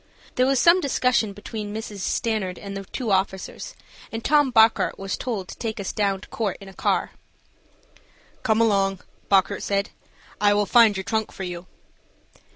There was some discussion between Mrs. Standard and the two officers, and Tom Bockert was told to take us down to the court in a car. "Come along," Bockert said, "I will find your trunk for you."